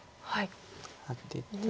アテて。